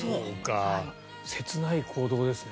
切ない行動ですね。